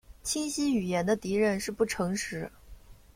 清晰语言的敌人是不诚实。